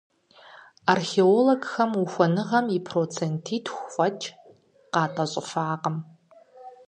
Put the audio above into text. Археологхэм ухуэныгъэм и процентитху фӀэкӀ къатӏэщӏыфакъым.